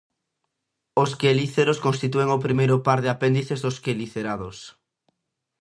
Os quelíceros constitúen o primeiro par de apéndices dos quelicerados.